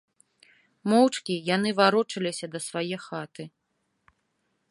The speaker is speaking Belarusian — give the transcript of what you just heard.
Моўчкі яны варочаліся да свае хаты.